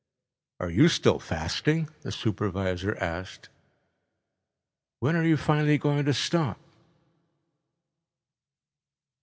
"Are you still fasting?" the supervisor asked. "When are you finally going to stop?"